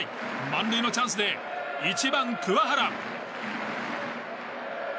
満塁のチャンスで１番、桑原。